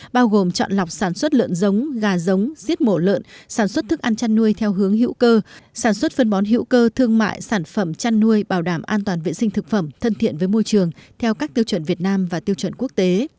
bao gồm chọn lọc sản xuất lợn giống gà giống xiết mổ lợn sản xuất thức ăn chăn nuôi theo hướng hữu cơ sản xuất phân bón hữu cơ thương mại sản phẩm chăn nuôi bảo đảm an toàn vệ sinh thực phẩm thân thiện với môi trường theo các tiêu chuẩn việt nam và tiêu chuẩn quốc tế